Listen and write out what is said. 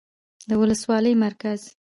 ، د ولسوالۍ مرکز